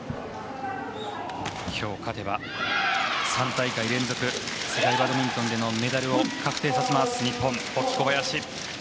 今日、勝てば３大会連続世界バドミントンでのメダルを確定させる保木と小林。